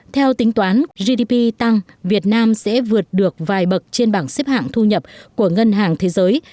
theo tính toán gdp tăng việt nam sẽ vượt được vài bậc trên bảng xếp hạng thu nhập của ngân hàng thế giới